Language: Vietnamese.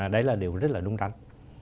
đấy là điều rất là đúng đắn